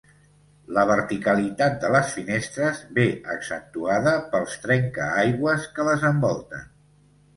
La verticalitat de les finestres ve accentuada pels trencaaigües que les envolten.